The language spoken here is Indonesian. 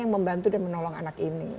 yang membantu dan menolong anak ini